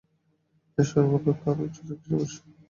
এই স্বর্গ অপেক্ষা আরও উচ্চতর কিছুর আবশ্যক।